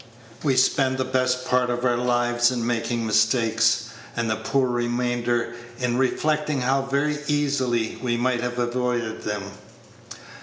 We spend the best part of our lives in making mistakes, and the poor remainder in reflecting how very easily we might have avoided them.